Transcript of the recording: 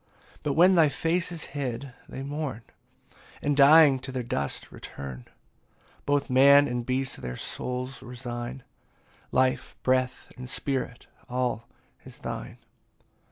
23 But when thy face is hid, they mourn, And dying to their dust return; Both man and beast their souls resign, Life, breath, and spirit, all is thine.